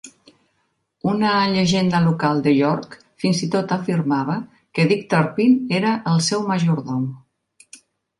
Una llegenda local de York fins i tot afirmava que Dick Turpin era el seu majordom.